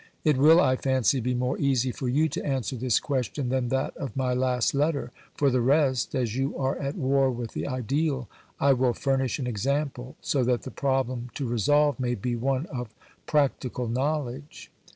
It will, I fancy, be more easy for you to answer this question than that of my last letter. For the rest, as you are at war with the ideal, I will furnish an example, so that the problem to resolve may be one of practical knowledge.